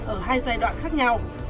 ở hai giai đoạn khác nhau